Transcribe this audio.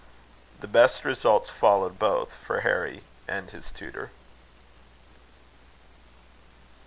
The best results followed both for Harry and his tutor. CHAPTER XXXI.